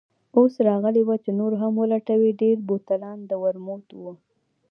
اوس راغلې وه چې نور هم ولټوي، ډېری بوتلان د ورموت وو.